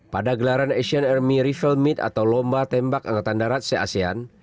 pada gelaran asian army revomit atau lomba tembak angkatan darat seasean